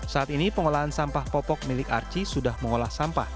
saat ini pengolahan sampah popok milik arci sudah mengolah sampah